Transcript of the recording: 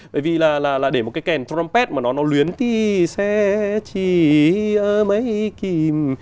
bởi vì là là là để một cái kèn trumpet mà nó luyến